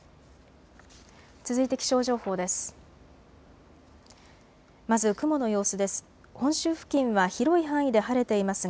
続いて気象情報です。